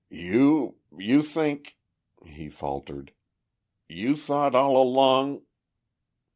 "You ... you think ..." he faltered. "You thought all along...."